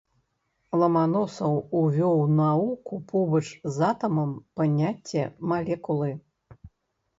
Ламаносаў увёў у навуку побач з атамам паняцце малекулы.